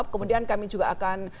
kemudian kami juga akan